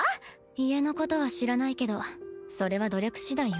家のことは知らないけどそれは努力しだいよ。